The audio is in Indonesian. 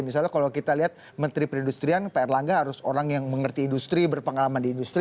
misalnya kalau kita lihat menteri perindustrian pak erlangga harus orang yang mengerti industri berpengalaman di industri